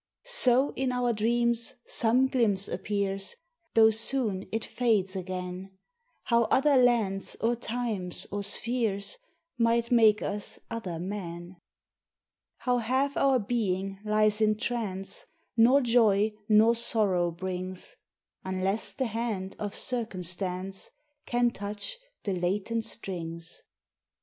So in our dreams some glimpse appears, Though soon it fades again, How other lands or times or spheres Might make us other men ; How half our being lies in trance, Nor joy nor sorrow brings, Unless the hand of circumstance Can touch the latent strings.